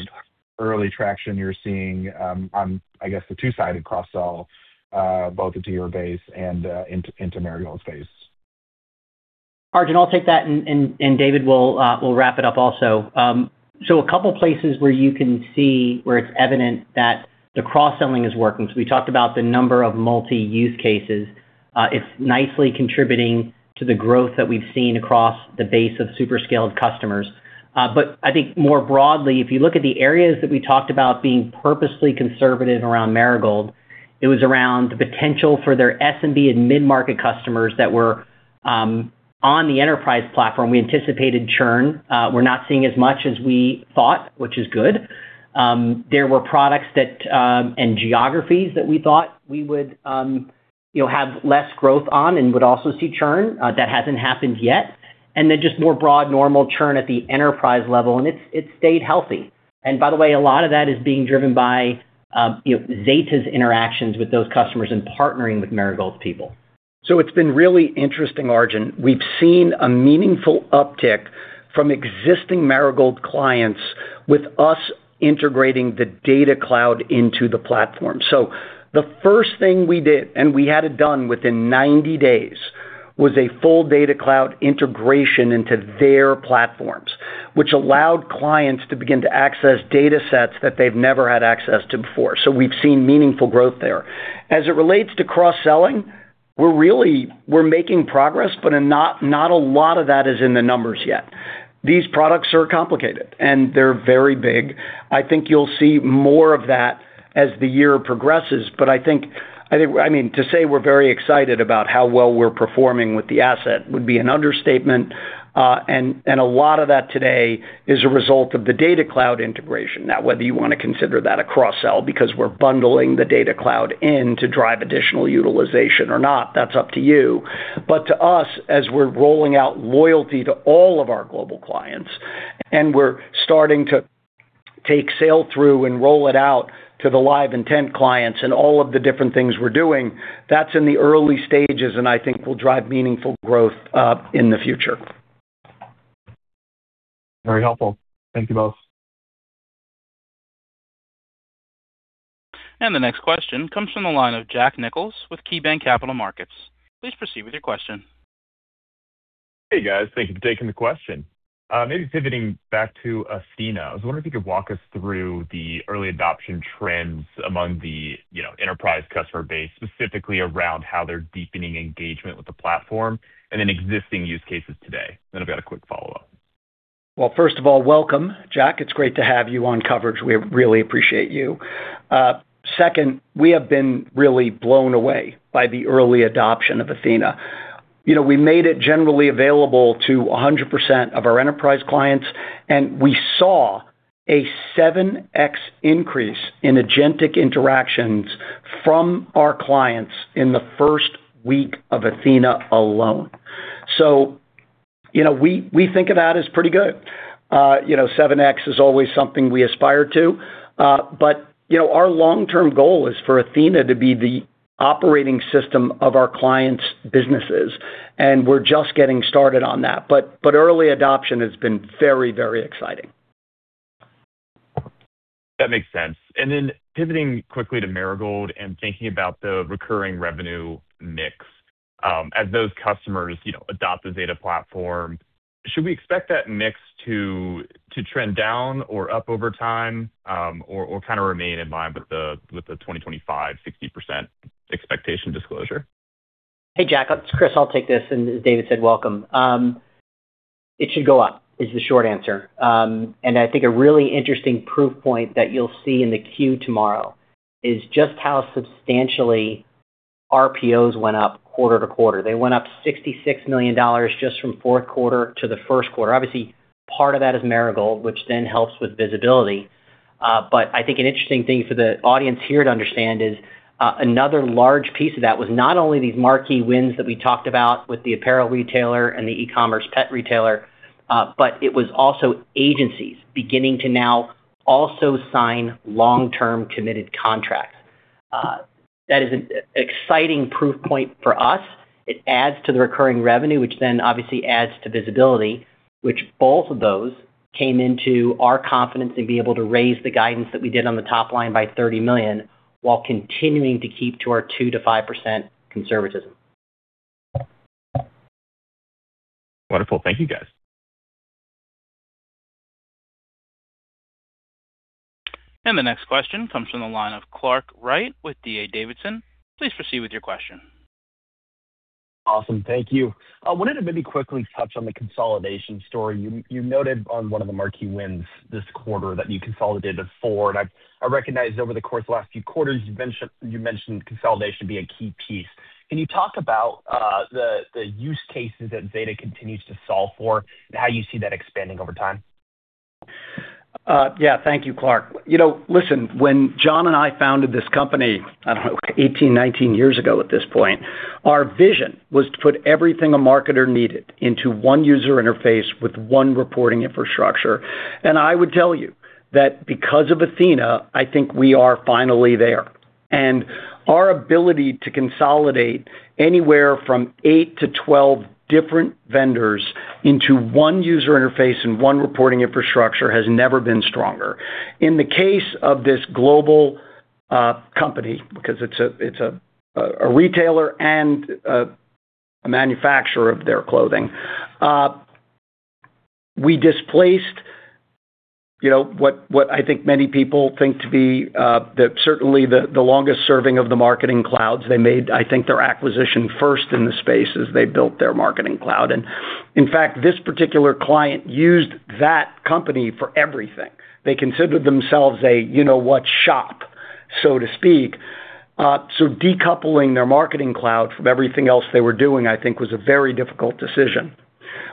early traction you're seeing on, I guess, the two-sided cross-sell, both into your base and into Marigold's base? Arjun, I'll take that, and David will wrap it up also. A couple places where you can see where it's evident that the cross-selling is working. We talked about the number of multi-use cases. It's nicely contributing to the growth that we've seen across the base of super scaled customers. I think more broadly, if you look at the areas that we talked about being purposely conservative around Marigold, it was around the potential for their SMB and mid-market customers that were on the enterprise platform. We anticipated churn. We're not seeing as much as we thought, which is good. There were products that, and geographies that we thought we would, you know, have less growth on and would also see churn. That hasn't happened yet. Just more broad normal churn at the enterprise level, it stayed healthy. By the way, a lot of that is being driven by, you know, Zeta's interactions with those customers and partnering with Marigold's people. It's been really interesting, Arjun. We've seen a meaningful uptick from existing Marigold clients with us integrating the Data Cloud into the platform. The first thing we did, and we had it done within 90 days, was a full Data Cloud integration into their platforms, which allowed clients to begin to access datasets that they've never had access to before. We've seen meaningful growth there. As it relates to cross-selling, we're really making progress, but not a lot of that is in the numbers yet. These products are complicated, and they're very big. I think you'll see more of that as the year progresses. I think I mean, to say we're very excited about how well we're performing with the asset would be an understatement. And a lot of that today is a result of the Data Cloud integration. Whether you wanna consider that a cross-sell because we're bundling the Data Cloud in to drive additional utilization or not, that's up to you. To us, as we're rolling out loyalty to all of our global clients, and we're starting to take sale through and roll it out to the LiveIntent clients and all of the different things we're doing, that's in the early stages, and I think will drive meaningful growth in the future. Very helpful. Thank you both. The next question comes from the line of Jack Nichols with KeyBanc Capital Markets. Please proceed with your question. Hey, guys. Thank you for taking the question. Maybe pivoting back to Athena, I was wondering if you could walk us through the early adoption trends among the, you know, enterprise customer base, specifically around how they're deepening engagement with the platform and in existing use cases today. I've got a quick follow-up. First of all, welcome, Jack. It's great to have you on coverage. We really appreciate you. Second, we have been really blown away by the early adoption of Athena. You know, we made it generally available to 100% of our enterprise clients, and we saw a 7x increase in agentic interactions from our clients in the first week of Athena alone. You know, we think of that as pretty good. You know, 7x is always something we aspire to, you know, our long-term goal is for Athena to be the operating system of our clients' businesses, and we're just getting started on that. But early adoption has been very, very exciting. That makes sense. Pivoting quickly to Marigold and thinking about the recurring revenue mix, as those customers, you know, adopt the Zeta platform, should we expect that mix to trend down or up over time, or kind of remain in line with the 2025 60% expectation disclosure? Hey, Jack, it's Chris. I'll take this. As David said, welcome. It should go up is the short answer. I think a really interesting proof point that you'll see in the queue tomorrow is just how substantially RPOs went up quarter-to-quarter. They went up $66 million just from fourth quarter to the first quarter. Obviously, part of that is Marigold, which then helps with visibility. I think an interesting thing for the audience here to understand is another large piece of that was not only these marquee wins that we talked about with the apparel retailer and the e-commerce pet retailer, but it was also agencies beginning to now also sign long-term committed contracts. That is an exciting proof point for us. It adds to the recurring revenue, which then obviously adds to visibility, which both of those came into our confidence and be able to raise the guidance that we did on the top line by $30 million while continuing to keep to our 2%-5% conservatism. Wonderful. Thank you, guys. The next question comes from the line of Clark Wright with D.A. Davidson. Please proceed with your question. Awesome. Thank you. I wanted to maybe quickly touch on the consolidation story. You noted on one of the marquee wins this quarter that you consolidated four, and I recognize over the course of the last few quarters, you mentioned consolidation being a key piece. Can you talk about the use cases that Zeta continues to solve for and how you see that expanding over time? Yeah. Thank you, Clark. You know, listen, when John and I founded this company, I don't know, 18, 19 years ago at this point, our vision was to put everything a marketer needed into one user interface with one reporting infrastructure. I would tell you that because of Athena, I think we are finally there. Our ability to consolidate anywhere from eight to 12 different vendors into one user interface and one reporting infrastructure has never been stronger. In the case of this global company, because it's a, it's a retailer and a manufacturer of their clothing, we displaced, you know, what I think many people think to be the certainly the longest serving of the marketing clouds. They made, I think, their acquisition first in the space as they built their marketing cloud. In fact, this particular client used that company for everything. They considered themselves a you know what shop, so to speak. Decoupling their marketing cloud from everything else they were doing, I think was a very difficult decision.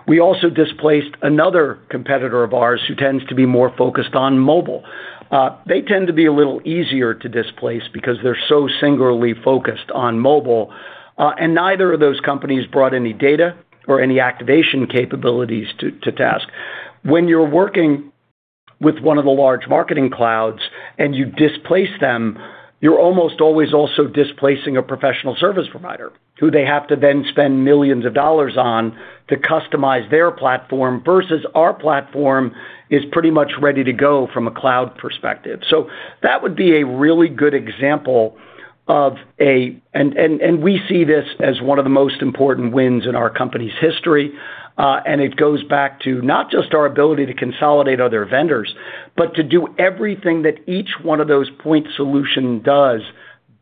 We also displaced another competitor of ours who tends to be more focused on mobile. They tend to be a little easier to displace because they're so singularly focused on mobile. Neither of those companies brought any data or any activation capabilities to task. When you're working with one of the large marketing clouds and you displace them, you're almost always also displacing a professional service provider who they have to then spend millions of dollars on to customize their platform versus our platform is pretty much ready to go from a cloud perspective. That would be a really good example. We see this as one of the most important wins in our company's history. It goes back to not just our ability to consolidate other vendors, but to do everything that each one of those point solution does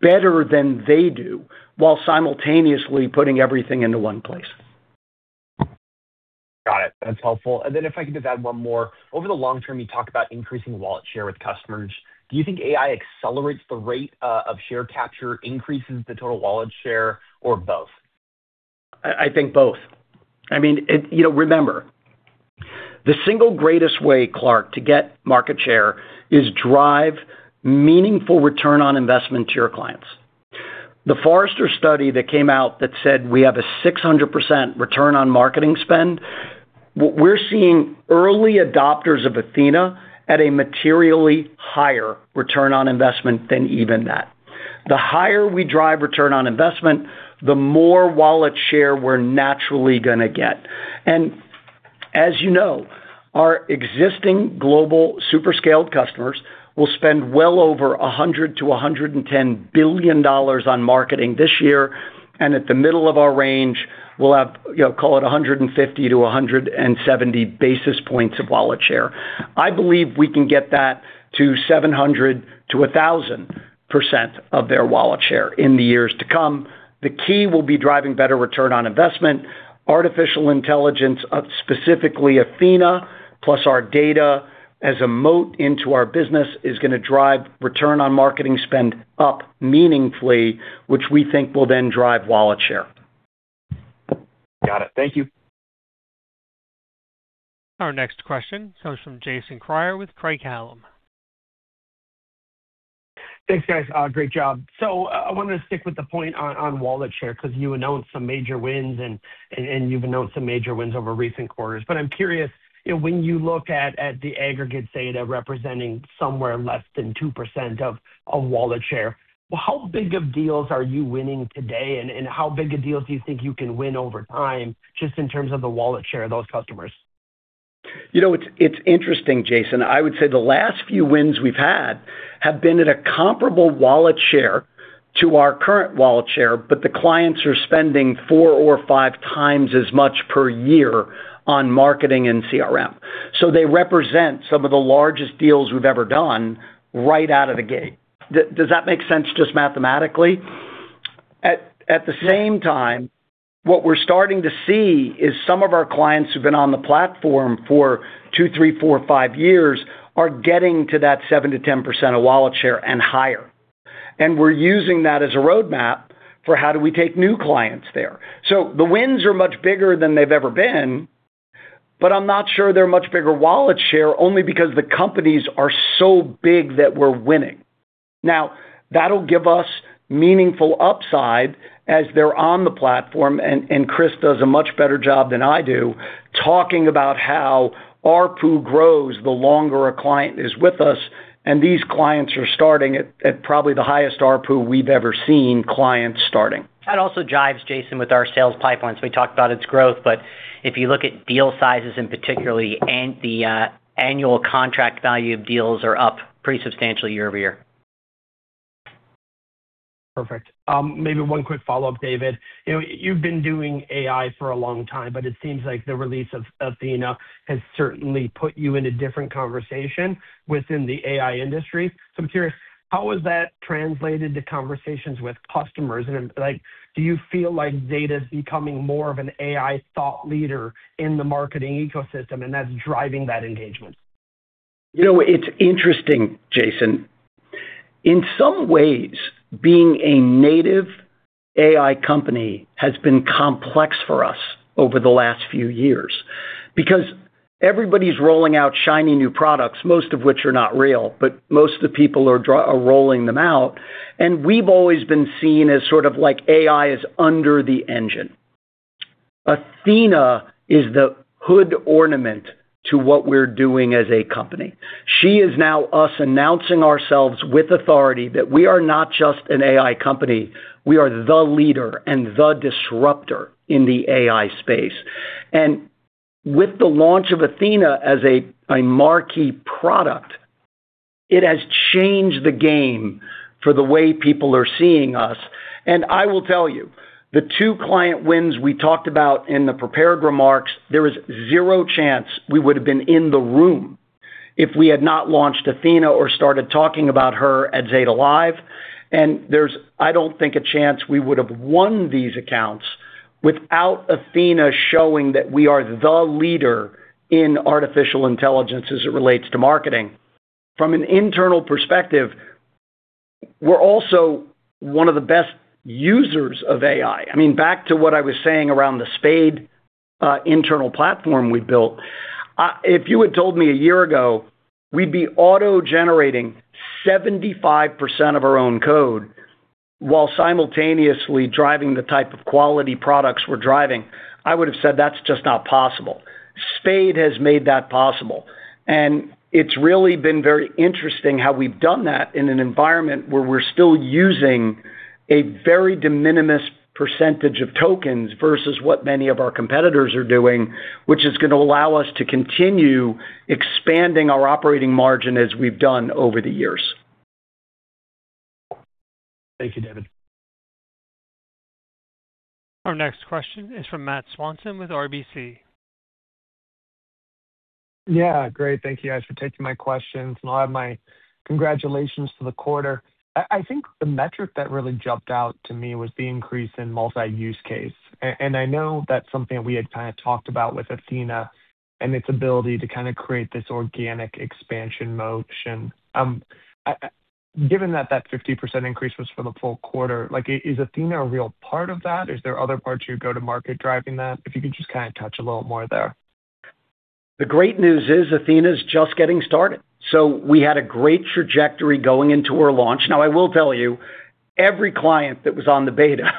better than they do while simultaneously putting everything into one place. Got it. That's helpful. If I could just add one more. Over the long term, you talk about increasing wallet share with customers. Do you think AI accelerates the rate, of share capture, increases the total wallet share, or both? I think both. I mean, you know, remember, the single greatest way, Clark Wright, to get market share is drive meaningful return on investment to your clients. The Forrester study that came out that said we have a 600% return on marketing spend, we're seeing early adopters of Athena at a materially higher return on investment than even that. The higher we drive return on investment, the more wallet share we're naturally gonna get. As you know, our existing global super-scaled customers will spend well over $100 billion-$110 billion on marketing this year, and at the middle of our range, we'll have, you know, call it 150 to 170 basis points of wallet share. I believe we can get that to 700%-1,000% of their wallet share in the years to come. The key will be driving better return on investment, artificial intelligence, specifically Athena, plus our data as a moat into our business is gonna drive return on marketing spend up meaningfully, which we think will then drive wallet share. Got it. Thank you. Our next question comes from Jason Kreyer with Craig-Hallum. Thanks, guys. Great job. I wanted to stick with the point on wallet share because you announced some major wins and you've announced some major wins over recent quarters. I'm curious, you know, when you look at the aggregate data representing somewhere less than 2% of wallet share, how big of deals are you winning today, and how big of deals do you think you can win over time just in terms of the wallet share of those customers? You know, it's interesting, Jason. I would say the last few wins we've had have been at a comparable wallet share to our current wallet share, but the clients are spending four or five times as much per year on marketing and CRM. They represent some of the largest deals we've ever done right out of the gate. Does that make sense just mathematically? At the same time, what we're starting to see is some of our clients who've been on the platform for two, three, four, five years are getting to that seven to 10% of wallet share and higher. We're using that as a roadmap for how do we take new clients there. The wins are much bigger than they've ever been, but I'm not sure they're much bigger wallet share only because the companies are so big that we're winning. That'll give us meaningful upside as they're on the platform, and Chris does a much better job than I do talking about how ARPU grows the longer a client is with us, and these clients are starting at probably the highest ARPU we've ever seen clients starting. That also jives, Jason, with our sales pipelines. We talked about its growth, but if you look at deal sizes and particularly the annual contract value of deals are up pretty substantially year-over-year. Perfect. Maybe one quick follow-up, David. You know, you've been doing AI for a long time, but it seems like the release of Athena has certainly put you in a different conversation within the AI industry. I'm curious, how has that translated to conversations with customers? Like, do you feel like Zeta is becoming more of an AI thought leader in the marketing ecosystem, and that's driving that engagement? You know, it's interesting, Jason. In some ways, being a native AI company has been complex for us over the last few years because everybody's rolling out shiny new products, most of which are not real, but most of the people are rolling them out, and we've always been seen as sort of like AI is under the engine. Athena is the hood ornament to what we're doing as a company. She is now us announcing ourselves with authority that we are not just an AI company, we are the leader and the disruptor in the AI space. With the launch of Athena as a marquee product, it has changed the game for the way people are seeing us. I will tell you, the two client wins we talked about in the prepared remarks, there is zero chance we would have been in the room if we had not launched Athena or started talking about her at Zeta Live, and there's, I don't think, a chance we would have won these accounts without Athena showing that we are the leader in artificial intelligence as it relates to marketing. From an internal perspective, we're also one of the best users of AI. I mean, back to what I was saying around the Spade internal platform we built, if you had told me a year ago we'd be auto-generating 75% of our own code while simultaneously driving the type of quality products we're driving, I would have said that's just not possible. Spade has made that possible, and it's really been very interesting how we've done that in an environment where we're still using a very de minimis percentage of tokens versus what many of our competitors are doing, which is gonna allow us to continue expanding our operating margin as we've done over the years. Thank you, David. Our next question is from Matt Swanson with RBC. Yeah. Great. Thank you guys for taking my questions, and all my congratulations for the quarter. I think the metric that really jumped out to me was the increase in multi-use case, and I know that's something we had kinda talked about with Athena and its ability to kinda create this organic expansion motion. Given that that 50% increase was for the full quarter, like, is Athena a real part of that? Is there other parts of your go-to-market driving that? If you could just kinda touch a little more there. The great news is Athena's just getting started. We had a great trajectory going into her launch. Now, I will tell you, every client that was on the beta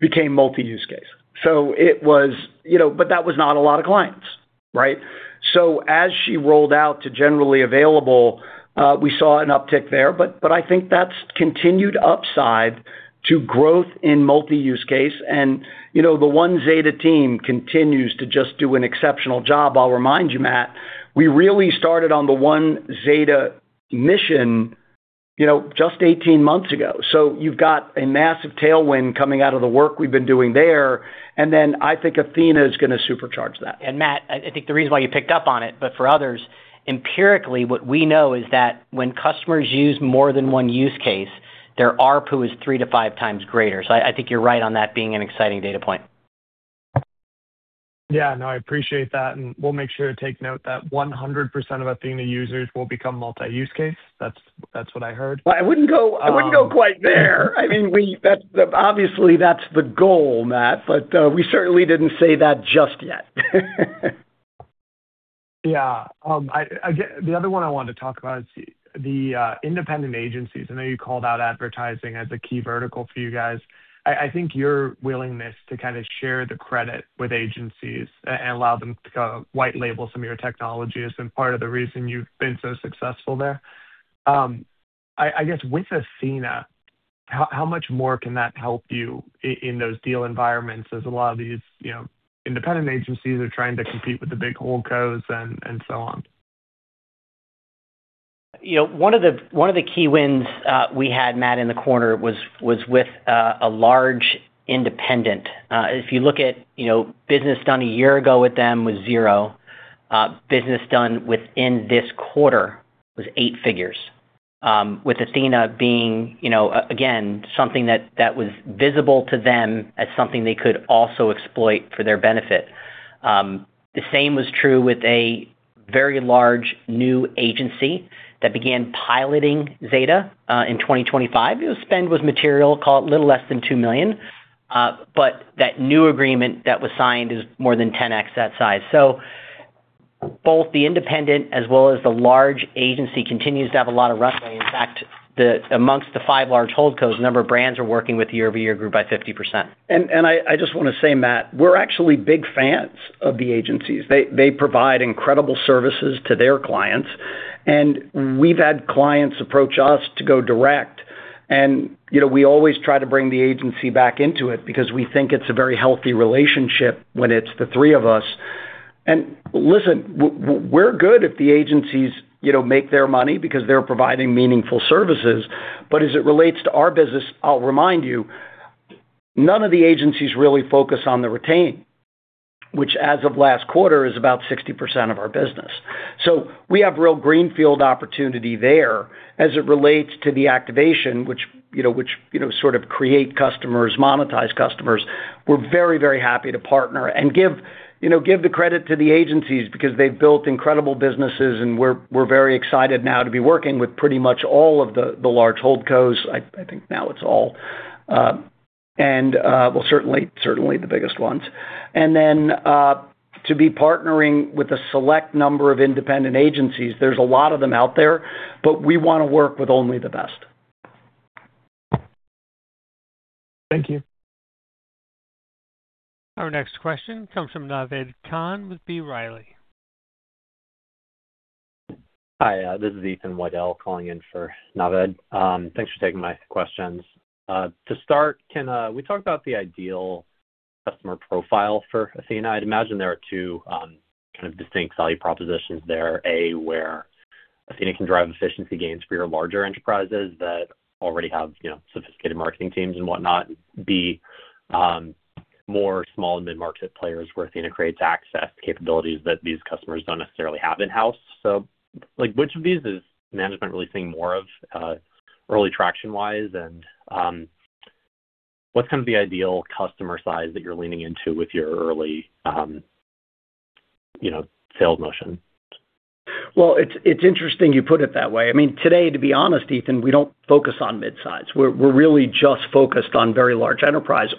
became multi-use case. You know, but that was not a lot of clients, right? As she rolled out to generally available, we saw an uptick there, but I think that's continued upside to growth in multi-use case. You know, the One Zeta team continues to just do an exceptional job. I'll remind you, Matt, we really started on the One Zeta mission, you know, just 18 months ago. You've got a massive tailwind coming out of the work we've been doing there, and then I think Athena is gonna supercharge that. Matt, I think the reason why you picked up on it, but for others, empirically, what we know is that when customers use more than one use case, their ARPU is three to five times greater. I think you're right on that being an exciting data point. Yeah, no, I appreciate that, and we'll make sure to take note that 100% of Athena users will become multi-use case. That's what I heard. I wouldn't go quite there. I mean, that's obviously the goal, Matt, but we certainly didn't say that just yet. Yeah. The other one I wanted to talk about is the independent agencies. I know you called out advertising as a key vertical for you guys. I think your willingness to kind of share the credit with agencies and allow them to kind of white label some of your technology has been part of the reason you've been so successful there. I guess with Athena, how much more can that help you in those deal environments as a lot of these, you know, independent agencies are trying to compete with the big holdcos and so on? You know, one of the key wins we had, Matt, in the quarter was with a large independent. If you look at, you know, business done a year ago with them was zero. Business done within this quarter was eight figures. With Athena being, you know, again, something that was visible to them as something they could also exploit for their benefit. The same was true with a very large new agency that began piloting Zeta in 2025. The spend was material, call it a little less than $2 million, that new agreement that was signed is more than 10x that size. Both the independent as well as the large agency continues to have a lot of runway. In fact, amongst the five large holdcos, the number of brands we're working with year-over-year grew by 50%. I just wanna say, Matt, we're actually big fans of the agencies. They provide incredible services to their clients, we've had clients approach us to go direct and, you know, we always try to bring the agency back into it because we think it's a very healthy relationship when it's the three of us. Listen, we're good if the agencies, you know, make their money because they're providing meaningful services. As it relates to our business, I'll remind you, none of the agencies really focus on the retain, which as of last quarter is about 60% of our business. We have real greenfield opportunity there as it relates to the activation, which, you know, sort of create customers, monetize customers. We're very happy to partner and give, you know, give the credit to the agencies because they've built incredible businesses, and we're very excited now to be working with pretty much all of the large holdcos. I think now it's all, well, certainly the biggest ones. Then to be partnering with a select number of independent agencies, there's a lot of them out there, but we wanna work with only the best. Thank you. Our next question comes from Naved Khan with B. Riley. Hi, this is Ethan Waddell calling in for Naved. Thanks for taking my questions. To start, can we talk about the ideal customer profile for Athena? I'd imagine there are two kind of distinct value propositions there. A, where Athena can drive efficiency gains for your larger enterprises that already have, you know, sophisticated marketing teams and whatnot. B, more small and mid-market players where Athena creates access capabilities that these customers don't necessarily have in-house. Like, which of these is management really seeing more of early traction wise? What's kind of the ideal customer size that you're leaning into with your early, you know, sales motion? It's, it's interesting you put it that way. I mean, today, to be honest, Ethan, we don't focus on mid-size. We're, we're really just focused on very large enterprise.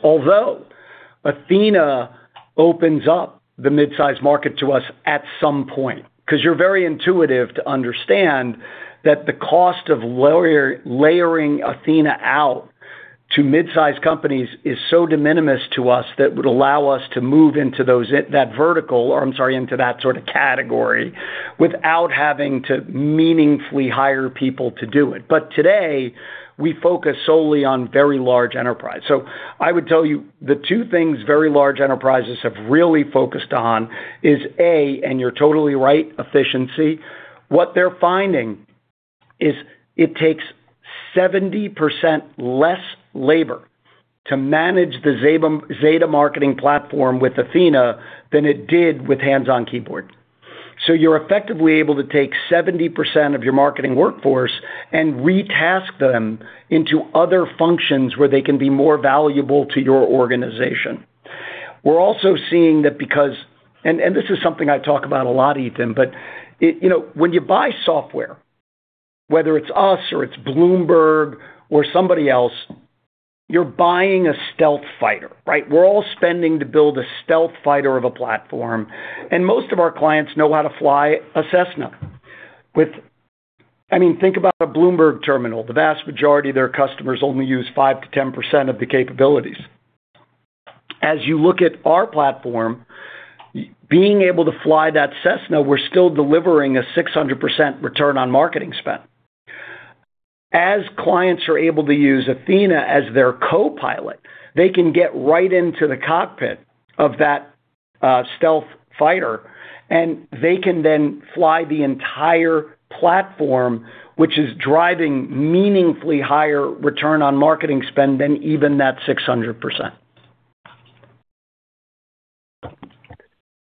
Athena opens up the mid-size market to us at some point, 'cause you're very intuitive to understand that the cost of layering Athena out to mid-size companies is so de minimis to us that would allow us to move into those, that vertical, or I'm sorry, into that sort of category, without having to meaningfully hire people to do it. Today, we focus solely on very large enterprise. I would tell you the two things very large enterprises have really focused on is, A, and you're totally right, efficiency. What they're finding is it takes 70% less labor to manage the Zeta Marketing Platform with Athena than it did with hands-on keyboard. You're effectively able to take 70% of your marketing workforce and retask them into other functions where they can be more valuable to your organization. We're also seeing that this is something I talk about a lot, Ethan, but, you know, when you buy software, whether it's us or it's Bloomberg or somebody else, you're buying a stealth fighter, right? We're all spending to build a stealth fighter of a platform, and most of our clients know how to fly a Cessna. I mean, think about a Bloomberg terminal. The vast majority of their customers only use 5%-10% of the capabilities. As you look at our platform, being able to fly that Cessna, we're still delivering a 600% return on marketing spend. As clients are able to use Athena as their co-pilot, they can get right into the cockpit of that stealth fighter, and they can then fly the entire platform, which is driving meaningfully higher return on marketing spend than even that 600%.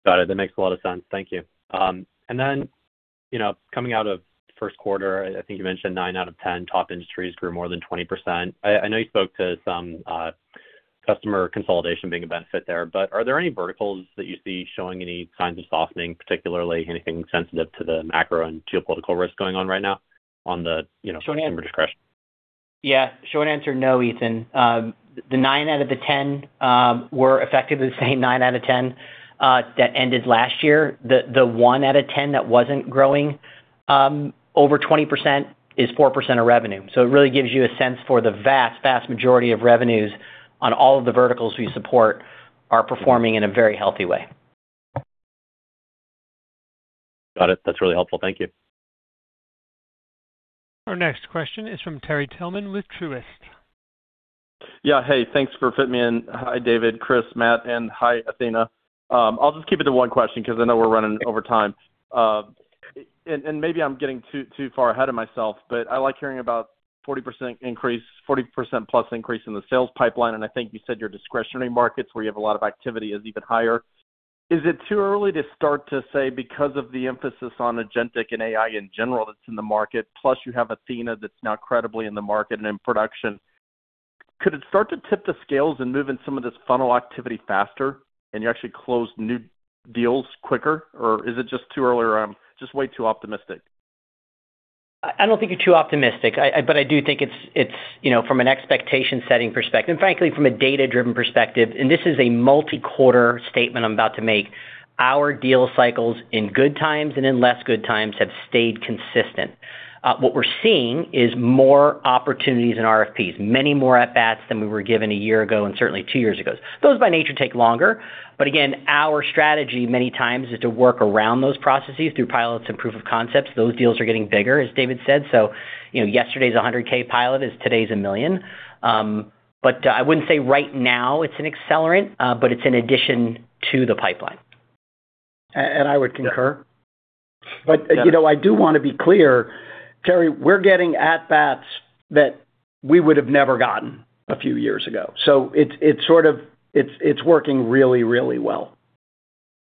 Got it. That makes a lot of sense. Thank you. You know, coming out of first quarter, I think you mentioned nine out of 10 top industries grew more than 20%. I know you spoke to some customer consolidation being a benefit there, are there any verticals that you see showing any signs of softening, particularly anything sensitive to the macro and geopolitical risk going on right now on the, you know, consumer discretion? Yeah. Short answer, no, Ethan. The nine out of the 10 were effectively the same nine out of 10 that ended last year. The one out of 10 that wasn't growing over 20% is 4% of revenue. It really gives you a sense for the vast majority of revenues on all of the verticals we support are performing in a very healthy way. Got it. That's really helpful. Thank you. Our next question is from Terry Tillman with Truist. Yeah. Hey, thanks for fitting me in. Hi, David, Chris, Matt, and hi, Athena. I'll just keep it to one question 'cause I know we're running over time. Maybe I'm getting too far ahead of myself, but I like hearing about 40% plus increase in the sales pipeline, and I think you said your discretionary markets, where you have a lot of activity, is even higher. Is it too early to start to say because of the emphasis on agentic and AI in general that's in the market, plus you have Athena that's now credibly in the market and in production, could it start to tip the scales and move in some of this funnel activity faster and you actually close new deals quicker? Or is it just too early or just way too optimistic? I don't think you're too optimistic. I do think it's, you know, from an expectation-setting perspective, and frankly, from a data-driven perspective, and this is a multi-quarter statement I'm about to make, our deal cycles in good times and in less good times have stayed consistent. What we're seeing is more opportunities in RFPs, many more at-bats than we were given a year ago and certainly two years ago. Those, by nature, take longer. Again, our strategy many times is to work around those processes through pilots and proof of concepts. Those deals are getting bigger, as David said. You know, yesterday's $100,000 pilot is today's $1 million. I wouldn't say right now it's an accelerant, but it's an addition to the pipeline. I would concur. You know, I do wanna be clear, Terry, we're getting at-bats that we would have never gotten a few years ago. It's sort of, it's working really, really well.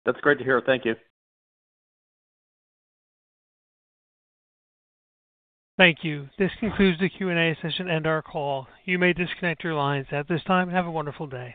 That's great to hear. Thank you. Thank you. This concludes the Q&A session and our call. You may disconnect your lines at this time. Have a wonderful day.